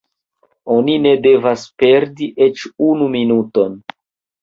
Oni ne devis perdi eĉ unu minuton.